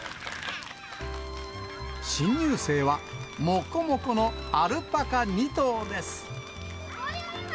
新入生は、もこもこのアルパカ２頭です。